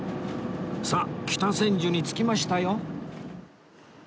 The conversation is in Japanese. さあ北千住に着きましたよ